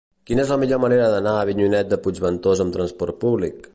Quina és la millor manera d'anar a Avinyonet de Puigventós amb trasport públic?